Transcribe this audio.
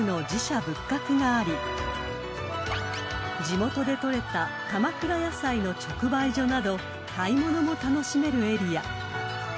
［地元で取れた鎌倉野菜の直売所など買い物も楽しめるエリア］